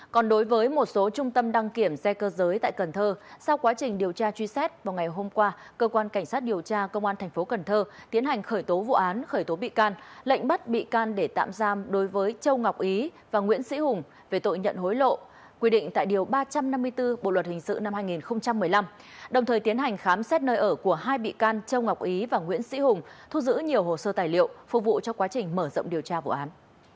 còn đối với một số trung tâm đăng kiểm xe cơ giới tại cần thơ sau quá trình điều tra truy xét vào ngày hôm qua cơ quan cảnh sát điều tra công an tp cần thơ tiến hành khởi tố vụ án khởi tố bị can lệnh bắt bị can để tạm giam đối với châu ngọc ý và nguyễn sĩ hùng về tội nhận hối lộ quy định tại điều ba trăm năm mươi bốn bộ luật hình sự năm hai nghìn một mươi năm đồng thời tiến hành khám xét nơi ở của hai bị can châu ngọc ý và nguyễn sĩ hùng thu giữ nhiều hồ sơ tài liệu phục vụ cho quá trình mở rộng điều tra vụ án